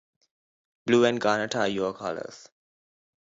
Blue and garnet are your colors.